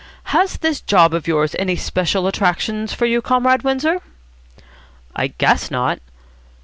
"Has this job of yours any special attractions for you, Comrade Windsor?" "I guess not."